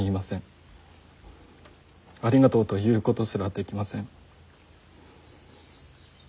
ありがとうと言うことすらできません。